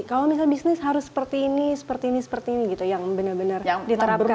kalau misalnya bisnis harus seperti ini seperti ini seperti ini gitu yang benar benar diterapkan